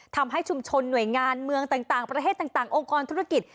ทำให้ชุมชนหน่วยงานเมืองต่างประเทศต่างองค์กรธุรกิจ